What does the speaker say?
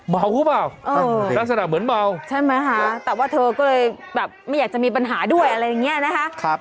เมาหรือเปล่าลักษณะเหมือนเมาใช่ไหมคะแต่ว่าเธอก็เลยแบบไม่อยากจะมีปัญหาด้วยอะไรอย่างนี้นะคะ